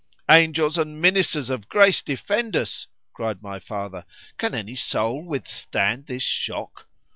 ——Angels and ministers of grace defend us! cried my father,——can any soul withstand this shock?